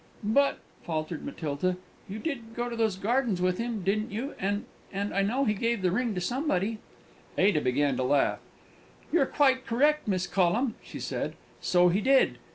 "But," faltered Matilda, "you did go to those gardens with him, didn't you? And and I know he gave the ring to somebody!" Ada began to laugh. "You're quite correct, Miss Collum," she said; "so he did.